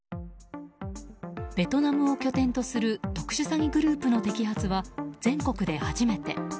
ベトナムを拠点とする特殊詐欺グループの摘発は全国で初めて。